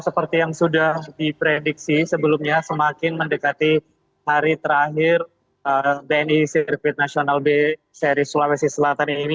seperti yang sudah diprediksi sebelumnya semakin mendekati hari terakhir bni sirkuit nasional b seri sulawesi selatan ini